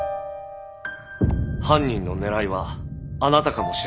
犯人の狙いはあなたかもしれません。